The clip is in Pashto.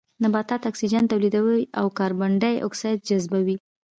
نباتات اکسيجن توليدوي او کاربن ډای اکسايد جذبوي